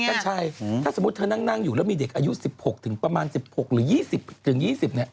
กัญชัยถ้าสมมุติเธอนั่งอยู่แล้วมีเด็กอายุ๑๖ถึงประมาณ๑๖หรือ๒๐๒๐เนี่ย